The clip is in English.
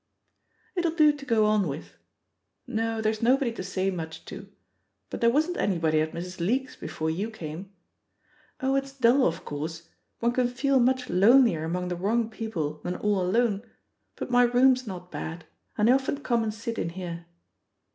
"It'll do to go on with. No, there's nobody to say much to ; but there wasn't anybody at Mrs. Leake's before you came. Oh, it's dull, of course — one can feel much lonelier among the wrong people than all alone — ^but my room's not bad, and I often come and sit in here.